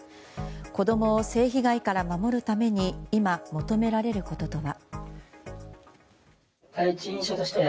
子供を性被害から守るために今、求められることとは。